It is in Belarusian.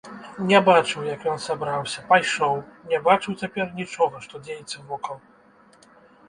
Не бачыў, як ён сабраўся, пайшоў, не бачыў цяпер нічога, што дзеецца вокал.